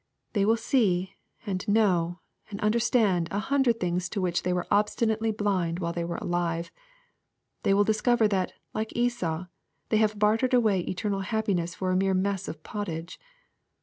They will see, and know, and understand a hundred things to which they were obsti nately blind while they were alive. They will discover that, like Esau, they have bartered away eternal happi ness for a mere mess of pottage.